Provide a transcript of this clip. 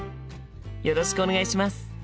よろしくお願いします。